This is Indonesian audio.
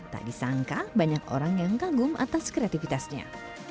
tak disangka banyak orang yang kagum atas kreativitasnya